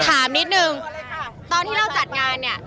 ถามนิดนึงตอนที่เราจัดงานเนี่ย